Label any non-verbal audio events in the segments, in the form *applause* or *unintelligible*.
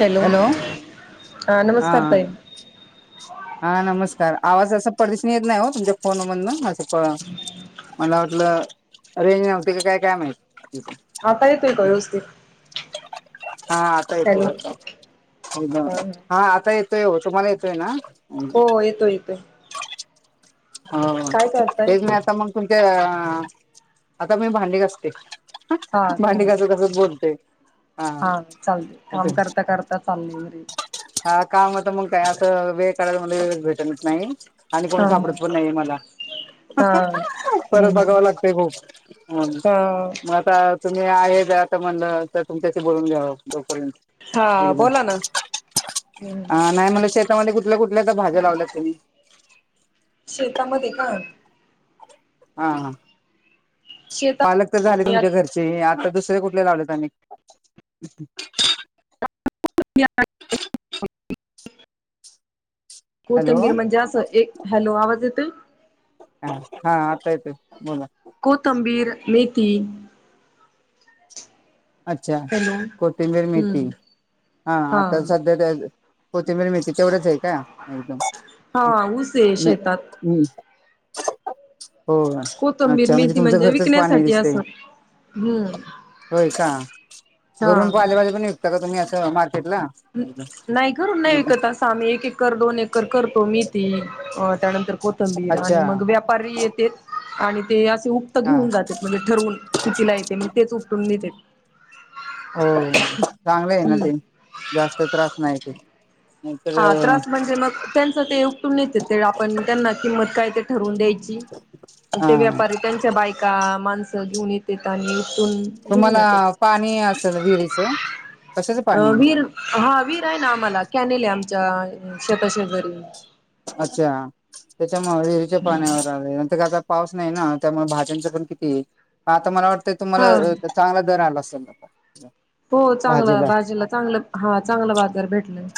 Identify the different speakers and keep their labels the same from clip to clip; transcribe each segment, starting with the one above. Speaker 1: Hello ह
Speaker 2: हा
Speaker 1: नमस्कार ताई
Speaker 2: हा नमस्कार आवाज असं पटदिशन येत नाही हो तुमच्या फोन मधनं अस फ मला वाटलं रेंज नव्हती का काय कायम माहीत
Speaker 1: आता येतोय का व्यवस्थित
Speaker 2: हा आता येतोय
Speaker 1: हॅलो
Speaker 2: आता
Speaker 1: हा
Speaker 2: अ ब हा आता येत होय हो तुम्हाला येतोय ना
Speaker 1: हो येतोय येतोय
Speaker 2: हो
Speaker 1: काय करताय?
Speaker 2: तेच ना आता मग तुमच्या आता मी भांडी घासते
Speaker 1: हा का
Speaker 2: भांडी घासून घासत बोलते
Speaker 1: हा चालते काम करता करता चाललय घरी
Speaker 2: हा काम होत मग काय अस वेळ काढायला म्हटल वेळ भेटतच नाही आणि कोण
Speaker 1: हा हा
Speaker 2: सापडत पण नाही मला ह ह हा
Speaker 1: हम्म
Speaker 2: परत
Speaker 1: हम्म
Speaker 2: बघावं लागतय खूप ह
Speaker 1: हा
Speaker 2: मग आता तुम्ही आहेसात आता म्हणलं तर तुमच्याशी बोलून घ्याव फो वरून
Speaker 1: हा
Speaker 2: एकदा
Speaker 1: बोला ना हम्म
Speaker 2: नाही म्हणलं शेत त आणि कुठल्या कुठल्या तर भाज्या लावल्या तुम्ही
Speaker 1: शेतामध्ये काय
Speaker 2: हा हा
Speaker 1: शेता
Speaker 2: पालक तर झाले तुमच्या घरचे आता दुसरे कुठले लावलेत आणि
Speaker 1: आता कुठली आणि भाजी
Speaker 2: हॅलो
Speaker 1: कोथंबीर म्हणजे असं एक हॅलो आवाज येतोय
Speaker 2: ह हा आता येतोय बोला
Speaker 1: कोथिंबीर मेथी
Speaker 2: अच्छा
Speaker 1: हॅलो
Speaker 2: कोथिंबीर मेथी
Speaker 1: हम्म
Speaker 2: हा आता सध्या त्या कोथिंबीर मेथी तेव्हडीच आहे का एकदम
Speaker 1: हा ऊस आहे शेतात
Speaker 2: म् हो
Speaker 1: कोथंबीर
Speaker 2: अच्छा म्हणजे
Speaker 1: मेथी
Speaker 2: तुमचं घरचंच पाणी
Speaker 1: विकण्यासाठी
Speaker 2: दिसतय
Speaker 1: असं हम्म.
Speaker 2: होय अच्छा
Speaker 1: हा.
Speaker 2: घरून पा आले बाजे पण विकता का तुम्ही असं मार *unintelligible*
Speaker 1: नाही करून नाही विकत आम्ही एक एकर दोन एकर करतो मी ते त्यानंतर कोथंबीर
Speaker 2: अच्छा
Speaker 1: आणि मग व्यापारी येतेत आणि ते रोपट
Speaker 2: हा
Speaker 1: घेऊन जाते म्हणजे ठरवून कि तिला येते मग तेच उपटून नेते
Speaker 2: हो चांगले आहे ना
Speaker 1: हम्म.
Speaker 2: ते जास्त त्रास नाही ते नाहीतर
Speaker 1: हा त्रास म्हणजे मग त्यांच ते उपटून येते ते आपण त्यांना किंमत काय ते ठरवून द्यायची
Speaker 2: हा
Speaker 1: ते व्यापारी त्यांच्या बायका माणसं घेऊन येतेत आणि उपटून घेऊन
Speaker 2: तुम्हाला
Speaker 1: जातेत.
Speaker 2: पाणी असेल विहिरीचं कशाचं
Speaker 1: अ
Speaker 2: पाणी
Speaker 1: वीर हा वीर आहे ना आम्हाला कॅनेल हे आम शेता शेजारी
Speaker 2: अच्छा त्याच्यामुळे विरीच्या
Speaker 1: हम्म
Speaker 2: पाण्यावर आले नंतर का आता पाऊस नाही ना त्यामुळे भाज्यांच पण किती आता मला वाटतंय
Speaker 1: हा
Speaker 2: तुम्हाला चांगला दर आला अस *inaudible*
Speaker 1: हो चांगलं भाजीला चांगलं हा चांगलं बाजार भेटलंय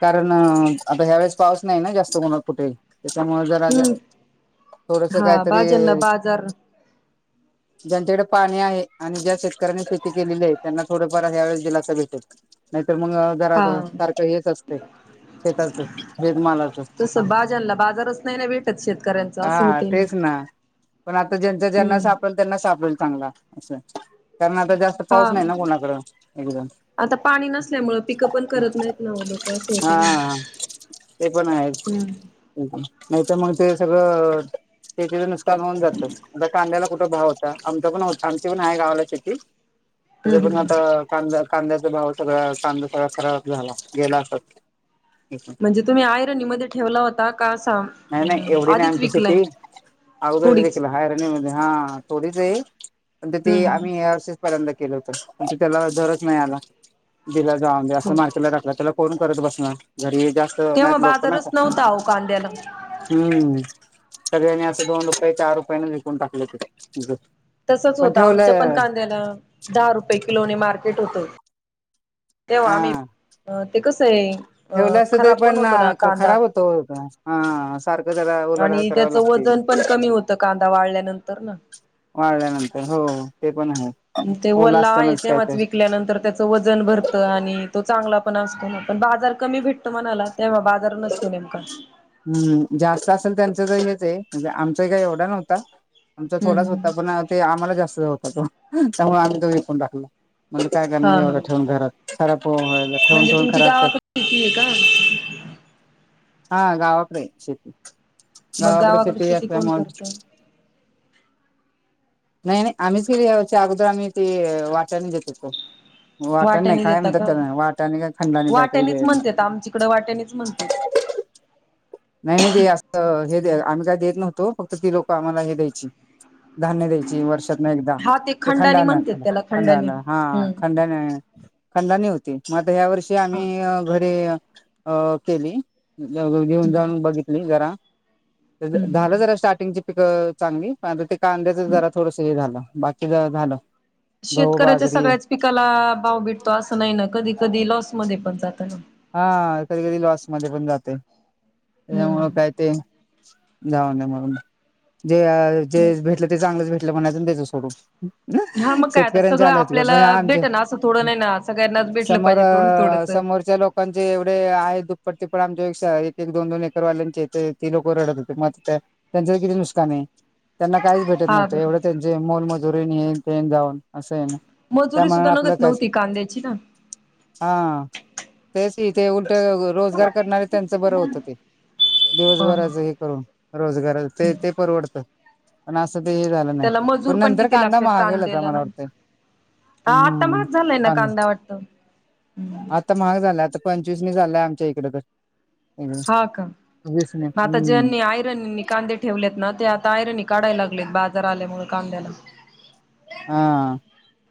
Speaker 2: कारण आता ह्या वेळेस पाऊस नाही ना जास्त कोण कुठेही त्याच्या मूळ जरा जा
Speaker 1: हम्म
Speaker 2: थोडस
Speaker 1: हा
Speaker 2: काहीतरी
Speaker 1: भाज्यांना बाजार
Speaker 2: ज्यांच्या कड पाणी आहे आणि ज्या शेतकऱ्यांनी शेती केलेली आहे त्यांना थोडंफार ह्या वेळेस दिलासा भेटल नाही तर मग
Speaker 1: हा
Speaker 2: घरात सारखं हेच अस शेताच शेतमालाच
Speaker 1: तसं भाज्यांना *inaudible*
Speaker 2: हा तेच ना पण आता ज्यांचा ज्यांना
Speaker 1: हम्म
Speaker 2: सापडेल त्यांना सापडेल चांगला असं कारण आता जास्त
Speaker 1: हा
Speaker 2: पाऊस नाही ना कुणाकड, एकदम
Speaker 1: आता पाणी नसल्यामुळं, पिकं पण करत नाहीत नावं लोक.
Speaker 2: हा
Speaker 1: होतंय ना.
Speaker 2: ते पण आहे
Speaker 1: हम्म
Speaker 2: नाही तर मग ते सगल शेतीचं नुकसान होऊन जात आ कांद्याला कुठं भाव होता आमचा पण हो आमची पण आहे गावाला शेती
Speaker 1: हम्म
Speaker 2: त्याच्या पण
Speaker 1: हम्म
Speaker 2: आता कांद कांद्याचा भाव सगळा कांदा सगळा खराब झाला गेला असाच
Speaker 1: म्हणजे तुम्ही आयरनीमध्ये ठेवला होता का असा
Speaker 2: नाही एवढी नाही
Speaker 1: आधीच
Speaker 2: आमची
Speaker 1: विकलाय
Speaker 2: शेती अगोदर
Speaker 1: थोडीच
Speaker 2: विकला हारणीमध्ये हा थोडीच हे पण ते
Speaker 1: हम्म
Speaker 2: आम्ही *unintelligible* पर्यंत केलं होतं त्याला दरच नाही आला. दिला जा म्हे असं
Speaker 1: हो.
Speaker 2: मार्केटला टाकला त्याला कोण करत बसण घरी जास्त
Speaker 1: तेव्हा
Speaker 2: नाहीत लोक ना
Speaker 1: बाजारच
Speaker 2: का
Speaker 1: नव्हता अहो कांद्याला
Speaker 2: हम्म सगळ्यांनी असं दोन रुपये चार रुपयाने विकून टाकले तेथे
Speaker 1: तसच होतं आमच्या पण कांद्याला दहा रुपये किलोने मार्केट होतं तेव्हा
Speaker 2: हा
Speaker 1: आम्ही ते कस
Speaker 2: ठेवलं असत तरी पण
Speaker 1: कांदा
Speaker 2: खराब होतो सारखं जरा उलाढाल कर
Speaker 1: त्याच वजन पण कमी होत कांदा वाढल्यानंतर ना
Speaker 2: वाढल्यानंतर हो ते पण आहे
Speaker 1: ते
Speaker 2: ओला
Speaker 1: वला आहे
Speaker 2: असतानाच काय
Speaker 1: तेव्हाच
Speaker 2: तर
Speaker 1: विकल्यानंतर त्याचं वजन भरतं आणि तो चांगला पण असतो ना पण बाजार कमी भेटतो मणाला तेव्हा बाजार नसतो नेमका
Speaker 2: हम्म जास्त असेल त्यांचं तर हेच आहे म्हणजे आमचा काही एवढा नव्हता आमचा थोडाच होता
Speaker 1: हम्म
Speaker 2: पण ते आम्हाला जास्त होत तो त्यामुळे आम्ही तो विकून टाकला. म्हणजे काय करण
Speaker 1: हा हा
Speaker 2: एवढं ठेवून घरात खराब ठेवून
Speaker 1: म्हणजे
Speaker 2: ठेवून
Speaker 1: तुमची
Speaker 2: खराब. ढ
Speaker 1: गावाकडे शेती आहे का
Speaker 2: हा गावाकडे शेती.
Speaker 1: मग
Speaker 2: गावाकडे शेती
Speaker 1: कोण
Speaker 2: असल्यामुळे.
Speaker 1: करत
Speaker 2: नाही नाही आम्हीच गेली अगोदर आम्ही ते वाटन देत होतो. वाटन नाही
Speaker 1: वाट्याने
Speaker 2: काय
Speaker 1: देता
Speaker 2: म्हणत्यात
Speaker 1: का
Speaker 2: वाटन *unintelligible* काही खंड नाही
Speaker 1: वाट्यानीच
Speaker 2: काहीतरी
Speaker 1: म्हणतेत आमच्याकडे वाट्यानीच म्हणतेत.
Speaker 2: *unintelligible* *unintelligible* नाही नाही ते असं हे आम्ही काय देत नव्हतो फक्त ती लोक आम्हाला हे द्यायची धान्य द्यायची वर्षातन एकदा.
Speaker 1: हा
Speaker 2: ते
Speaker 1: खंडानी
Speaker 2: खंडान
Speaker 1: म्हणतेत त्याला खंडानी
Speaker 2: खंडान हा
Speaker 1: हम्म
Speaker 2: खंडन खंडनी होती मग आता ह्या वर्षी
Speaker 1: हा.
Speaker 2: आम्ही मी घरी केली घेऊन जाऊन.
Speaker 1: हम्म
Speaker 2: बघितली जरा झालं
Speaker 1: हम्म.
Speaker 2: जरा स्टार्टिंगची पिक चांगली प ते कांद्याचं जरा थोडस हे झालं बाकी ज झालं. गहू
Speaker 1: शेतकऱ्याच्या
Speaker 2: बाजरी
Speaker 1: सगळ्याच पिकाला भाव भेटतो असं नाही ना कधी कधी लॉस मध्ये पण जात ना.
Speaker 2: हा कधी कधी लॉस मध्ये पण जातंय, त्यामुळं
Speaker 1: हम्म.
Speaker 2: काय ते जाऊन दे म्हणून, जे जे भेटलं ते चांगलंच भेटलं म्हणायच द्यायचं सोडून.
Speaker 1: हा मग काय आता
Speaker 2: शेतकऱ्यांचे
Speaker 1: सगळं
Speaker 2: हालत ग
Speaker 1: आपल्याला
Speaker 2: *unintelligible* आमच्या,
Speaker 1: भेटन असं थोडं नाही ना सगळ्यांनाच भेटलं
Speaker 2: समोर
Speaker 1: पाहिजे थोडं थोडस.
Speaker 2: समोरच्या लोकांचे तेवढे आहे दुप्पट तिप्पट आमच्या एक एक दोन दोन एकरवाल्यांचे ते ती लोक रडत होते मग ते त्यांचं पण किती नुकसान आहे. त्यांना काहीच भेटत
Speaker 1: हा
Speaker 2: नव्हतं
Speaker 1: बर
Speaker 2: एवढं त्यांचे मोलमजुरी येन तेन जाऊन असं आहे ना. त्या
Speaker 1: मजुरी
Speaker 2: म्हणाला
Speaker 1: सुद्धा
Speaker 2: आपलं
Speaker 1: नगत
Speaker 2: कायच,
Speaker 1: नव्हती कांद्याची ना.
Speaker 2: हा. थे उट रोजगार करणारे त्यांच बरं होतं ते.
Speaker 1: हा हा.
Speaker 2: दिवसभराच हे करून रोजगार ते ते परवडत पण अस अस ते हे झालं नाही
Speaker 1: त्याला
Speaker 2: पण
Speaker 1: मजूर
Speaker 2: नंतर
Speaker 1: किती
Speaker 2: कांदा
Speaker 1: लागतात
Speaker 2: महागेलता
Speaker 1: कांद्याला
Speaker 2: मला
Speaker 1: ना.
Speaker 2: वाटतंय.
Speaker 1: हा आता
Speaker 2: हम्म,
Speaker 1: महाग झालाय ना
Speaker 2: *unintelligible*
Speaker 1: कांदा वाटतं.
Speaker 2: आता महाग झाल्यात. आता पंचवीस झालंय आमच्या इकडे तर.
Speaker 1: हा का.
Speaker 2: दिसणे
Speaker 1: मग आता
Speaker 2: हम्म
Speaker 1: ज्यांनी आयरननी कांदे ठेवलेत ना ते आता आयरन काढाय लागलेत बाज दर आल्या मुळे कांद्याला
Speaker 2: हा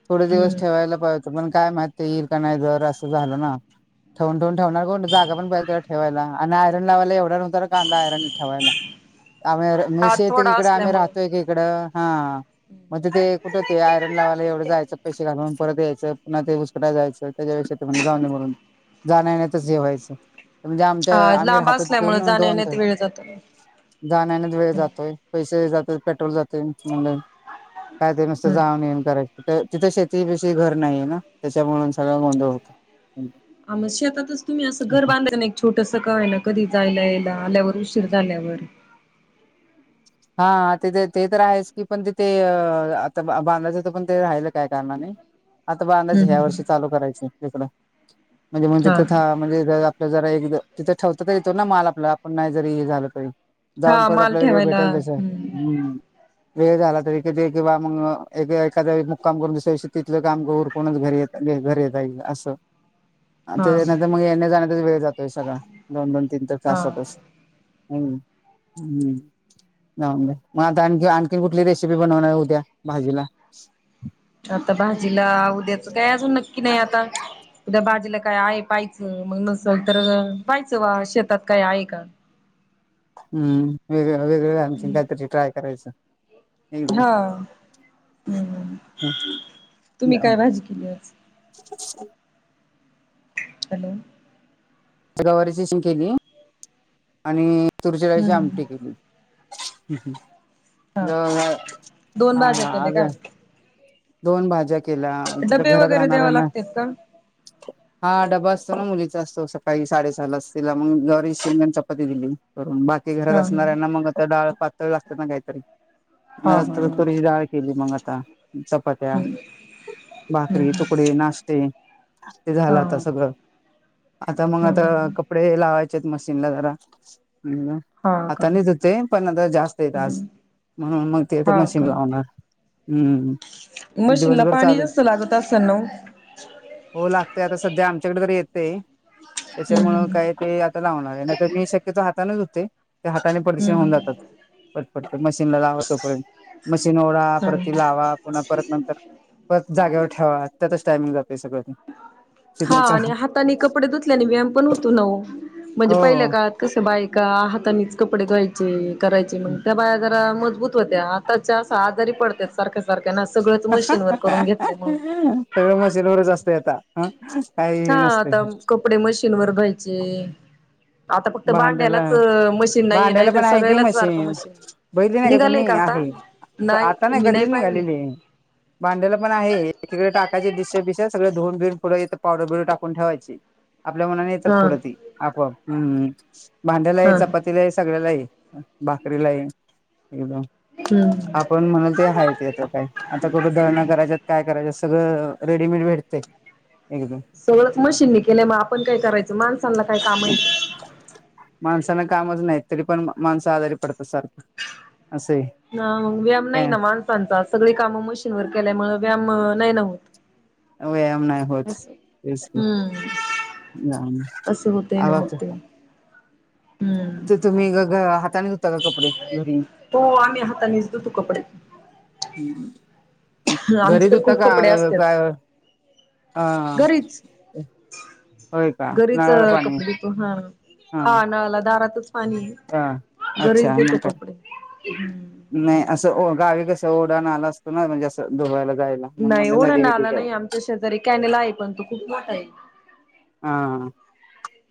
Speaker 2: थोडे दिवस
Speaker 1: हम्म
Speaker 2: ठेवायला पाहिजत पण काय माहित. तेल का नाही जर असं झालं ना ठेवून ठेवून ठेवणार कोण जागा पण पहिल तर ठेवायला आणि आयरन लावायला एवढ्या नव्हतं *unintelligible* आयरन. ठेवायला आम्
Speaker 1: हात
Speaker 2: मिेसे येत क
Speaker 1: थोडा
Speaker 2: इकडे आम्ही
Speaker 1: असल्यामुळे
Speaker 2: राहतोय की इकडं हा. म्हणजे ते ते आयरन लावायला एवढं जायचं पैसे घालून परत यायचं पुन्हा ते *unintelligible* जायं त्याच्यापेक्षा ते जाऊ म्हणून. जाण्यायेण्यातच हेवायचं म्हणजे आमच्या
Speaker 1: हा
Speaker 2: आम्हीर
Speaker 1: लांब
Speaker 2: हातात *unintelligible*
Speaker 1: असल्यामुळे जाण्यायेण्यात वेळ जातो
Speaker 2: जाण्यायेण्यात वेळ जातोय पैसे जात पेट्रोल जाते म्हण, काय ते नसतं
Speaker 1: हम्म
Speaker 2: जाऊन येन करायच *unintelligible* तिथं शेतीपेशी घर नाहीये ना त्याच्यामुळेन सगळं गोंधळ होतं.
Speaker 1: आ म शेतातच तुम्ही असं घर बांधाय एक छोटास का होईना ना कधी जायला यायला आल्यावर उशीर झाल्यावर.
Speaker 2: हा तेिथे ते तर आहेच की पण तिथे आता बांधायचं तर पण ते राहिलं काय कारणाने. आता बांधायच
Speaker 1: हम्म
Speaker 2: ह्या
Speaker 1: हम्म
Speaker 2: वर्षी चालू करायचं तिकडं म्हणजे मग
Speaker 1: हा
Speaker 2: तिथं म्हणजे ज एक तिथं ठेवत तरी येतो ना माल आपला आपण नाही जरी हे झालं तरी
Speaker 1: हा
Speaker 2: जाऊनत
Speaker 1: माल
Speaker 2: आपल्याला वेळ भेट
Speaker 1: ठेवायला
Speaker 2: *unintelligible*
Speaker 1: हम्म
Speaker 2: हम्म. वेळ झाला तरी कध कंवा मग एखादा मुक्काम करून दुसऱ्या दिवी तिथल काम *unintelligible* घरी येत घरी जाईल असं.
Speaker 1: हा
Speaker 2: तेनंतर मग येण्या जाण्याचाच वेळ जातोय सगळा दोन दोन तीन तर
Speaker 1: हा
Speaker 2: तासातच. हम हम्म. जा मग आता आणखी आणखी कुठली रेसिपी बनवणार उद्या भाजीला?
Speaker 1: आता भाजीला उद्याच काय अजून नक्की नाही आता उद्या बाजीला काय आहे पाहायचं मग नसल तर पाहायचं वा शेतात काय आहे का.
Speaker 2: हम् वेग वेग आनचील काहीतरी ट्राय करायचं. एकदम
Speaker 1: हां असं, तुम्ही काय भाजी केली आ?
Speaker 2: *inaudible*
Speaker 1: हलो
Speaker 2: गवारीची शिम केली आणि तुरीचिडळची
Speaker 1: हम्म
Speaker 2: आमटी केली. द
Speaker 1: हा का
Speaker 2: अ
Speaker 1: दोन
Speaker 2: आं
Speaker 1: भाज्या केल्या
Speaker 2: आज.
Speaker 1: का
Speaker 2: दोन भाज्या केल्या तित
Speaker 1: डबे
Speaker 2: घरात
Speaker 1: वगैरे द्याव
Speaker 2: राहणाऱ्यांना
Speaker 1: लागतात का
Speaker 2: हा डबा असतो ना. मुलीचा असतो. सकाळी साडेसहाला आज तिला मग गवारीची शेंग चपाती दिली. करून. तर बाकी घरात
Speaker 1: हा
Speaker 2: असणाऱ्यांना मग डाळ पातळी ला असते ना काहीतरी.
Speaker 1: हा हा
Speaker 2: आ तर
Speaker 1: हा
Speaker 2: तुरीची जाडाळ केली मग आता. चपात्या.
Speaker 1: हम्म
Speaker 2: भाकरी. तुकडे नाष्टा. ते
Speaker 1: हा
Speaker 2: झालं आता सगळं. आता मग आता
Speaker 1: हम्म
Speaker 2: कपडे लावायचे आहेत. मशीनला जरा. हम्
Speaker 1: हा का
Speaker 2: आता नाहीं. धुते पण आता जास्त येत आज. म्हणून मग तेिथं मशीन लावणार हम्म.
Speaker 1: मशीन ला
Speaker 2: दिवसभर
Speaker 1: पाणी
Speaker 2: चालू
Speaker 1: जास्त लागत असेल ना ओ.
Speaker 2: ते आता सध्या आमच्याकडे तररी येतेये.
Speaker 1: हम्म
Speaker 2: त्याच्यामुळं काय
Speaker 1: हम्म
Speaker 2: ते आता लावणार आहे. नाही तर मी शक्यतो हाताानच धुते. त्या हाताने प्रदिक्षण होऊन
Speaker 1: हम्म.
Speaker 2: जातात. पटपट मशीनला लावा सोप मशीन ओढा. परत ती लावा. पुन्हा परत नंतर. परत जाग्यावर ठेवा. त्यातच टायमिंग जातय सगळं.
Speaker 1: हा आणि हाताने कपडे धुतल्याने व्यायाम पण होतो नव म्हणजे पहिल्या
Speaker 2: हो
Speaker 1: काळात कसं बायका. हातानीच कपडे द्यायचे. करायचे मग त्या बाहे मजबूत होत्या आताच्या. आजारी पडत सारख्या-सारख्या.
Speaker 2: सगळ मशीनवरच असतय आता. आ
Speaker 1: हा आता कपडे मशीन वर धुवायचे. आता फक्त भांड्यालाच मशीन नाहीये नाही
Speaker 2: भांड्याला-भांड्याला
Speaker 1: तर
Speaker 2: पण आहे की
Speaker 1: सगळ्यालाच सारखं
Speaker 2: मशीन. बघितली नाही का
Speaker 1: निघालय
Speaker 2: तुम्ही.
Speaker 1: आता?
Speaker 2: आहे तर आता नाही कधीच निघालेली आहे. भांड्याला पण आहे. एकीकडे टाकायचे डिश, -बिश सगळे. धुउन-बिऊूनं येत पावडर, - बिवडर टाकून ठेवायची आपल्या मनाने येतात.
Speaker 1: हा
Speaker 2: फूड ती आपोआप. भांड्याला हाय,
Speaker 1: हा
Speaker 2: चपातीला हाय, सगळ्याला हाय भाकरीला हाये. एकदम
Speaker 1: हम्म.
Speaker 2: आपण म्हणल ते हायच येत काय? आता कुठं दळण करायच्यात? काय करायच्यात सगळं रेडीमेड भेटते.
Speaker 1: सगळंच मशीन ने केल्या, मग आपण काय करायचं? माणसांना काय काम हायीत?
Speaker 2: माणसाना कामच नाही, तरी पण माणस आजारी पडतात सारख अस
Speaker 1: हा व्यायाम नाही ना माणसांचा, सगळी काम मशीन वर केल्याय मुळ व्यायाम नाही ना होत.
Speaker 2: व्यायाम नाही होत.
Speaker 1: असं.
Speaker 2: तेच की
Speaker 1: हम्म
Speaker 2: व्याम
Speaker 1: असं होतय ना मग
Speaker 2: *unintelligible* ते का?
Speaker 1: हम्म.
Speaker 2: तर तुम्ही, ग हाताने धूता का कपडे घरी?
Speaker 1: आम्ही हातानेच हो धुतो कपडे
Speaker 2: घरी
Speaker 1: आमचे तर
Speaker 2: धुता
Speaker 1: खूप कपडे
Speaker 2: का
Speaker 1: असत्यात.
Speaker 2: काय? हा हा.
Speaker 1: घरीच घरीच कपडे धुतो हा. हा नाला दारातच पाणी
Speaker 2: हा
Speaker 1: आहे
Speaker 2: अच्छा
Speaker 1: घरीच
Speaker 2: मग
Speaker 1: धुतो
Speaker 2: काय
Speaker 1: कपडे.
Speaker 2: नाही असं गावी कसं ओढा नाला असतो ना, म्हणजे अस धुयायला.
Speaker 1: नाही ओढा, नाला नाही आमच्या शेजारी, कॅनेल आहे पण तो खूप मोठा आहे.
Speaker 2: हा हा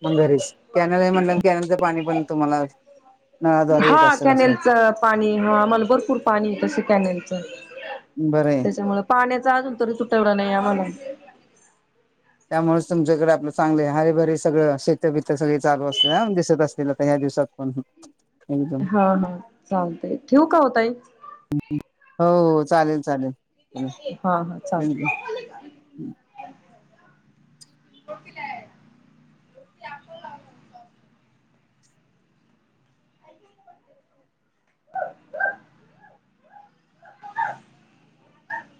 Speaker 2: मग घरीच, कॅनल हाय म्हणल्यावर कॅनलच पाणी पण तुम्हालाच
Speaker 1: हा कॅनेलचं पाणी, हा मला भरपूर पाणी हाय तस कॅनेलचं.
Speaker 2: बरं आहे
Speaker 1: त्याच्यामुळे पाण्याचा अजून तरी तुटवडा नाही आमाला.
Speaker 2: त्यामुळेस तुमच्याकड चांगले हरेभरे सगळं शेत बित सगळे चालू असते ना दिसत असतील तर ह्या दिवसात पण एकदम
Speaker 1: हा हा चालतय ठेव का हो ताई.
Speaker 2: हो हो चालेल चालेल.
Speaker 1: हा हा
Speaker 2: चला.
Speaker 1: चालत. *unintelligible* *unintelligible*